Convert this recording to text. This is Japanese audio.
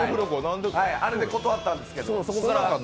あれで断ったんですけど。